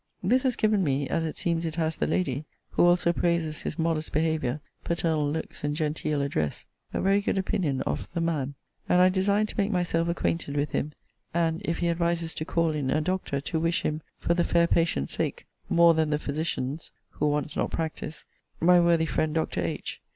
This has given me, as it seems it has the lady, (who also praises his modest behaviour, paternal looks, and genteel address,) a very good opinion of the man; and I design to make myself acquainted with him, and, if he advises to call in a doctor, to wish him, for the fair patient's sake, more than the physician's, (who wants not practice,) my worthy friend Dr. H.